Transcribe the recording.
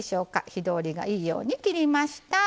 火通りがいいように切りました。